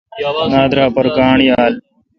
نادرا پر گانٹھ یال۔